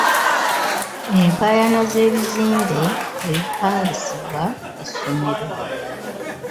Enkaayana z'ebizimbe ebipangisibwa essomero.